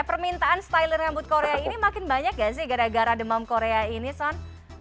permintaan styler rambut korea ini makin banyak gak sih gara gara demam korea ini son